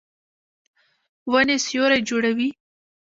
ونې سیوری جوړوي